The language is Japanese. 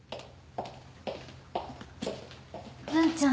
文ちゃん。